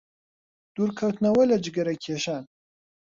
دوورکەوتنەوە لە جگەرەکێشان